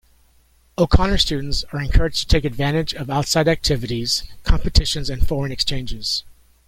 O'Connor students are encouraged to take advantage of outside activities, competitions and foreign exchanges.